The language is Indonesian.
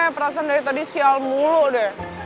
perasaan dari tadi sial mulu deh